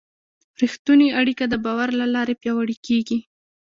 رښتونې اړیکه د باور له لارې پیاوړې کېږي.